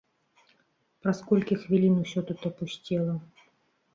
Праз колькі хвілін усё тут апусцела.